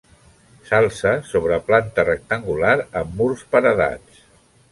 S'alça sobre planta rectangular amb murs paredats.